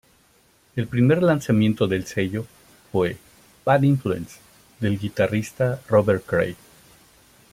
El primer lanzamiento del sello fue "Bad Influence "del guitarrista Robert Cray.